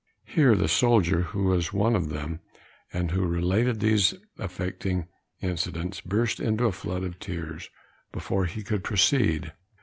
Here the soldier, who was one of them, and who related these affecting incidents, burst into a flood of tears before he could proceed.